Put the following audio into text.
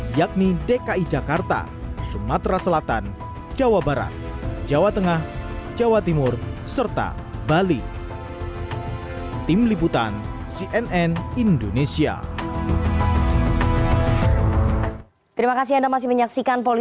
yakni dki jakarta sumatera selatan jawa barat jawa tengah jawa timur serta bali